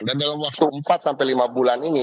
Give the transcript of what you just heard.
dan dalam waktu empat sampai lima bulan ini